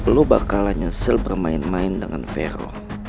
lo bakalan nyesel bermain main dengan vero